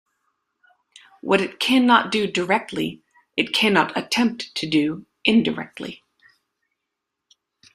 What it cannot do directly, it cannot attempt to do indirectly.